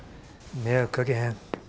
迷惑かけへん。